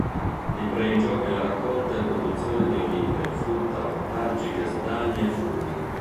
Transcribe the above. Di pregio è la raccolta e produzione di olive, frutta, ortaggi, castagne e funghi.